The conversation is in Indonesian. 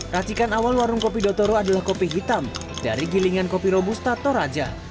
racikan awal warung kopi dotoro adalah kopi hitam dari gilingan kopi robusta toraja